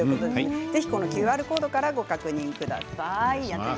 ぜひ、このＱＲコードからご確認ください。